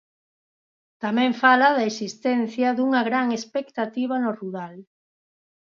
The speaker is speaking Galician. Tamén fala da existencia dunha "gran expectativa" no rural.